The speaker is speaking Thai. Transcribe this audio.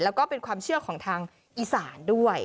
แล้วก็เป็นความเชื่อของทางอีสานด้วย